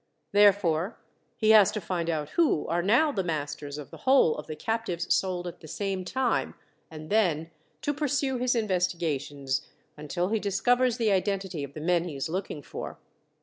Therefore he has to find out who are now the masters of the whole of the captives sold at the same time, and then to pursue his investigations until he discovers the identity of the men he is looking for.